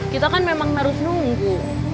kita kan memang harus nunggu